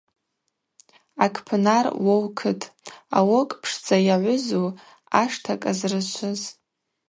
Акпынар-Лоукыт: алокӏпшдза йагӏвызу ашта кӏазрышвыз.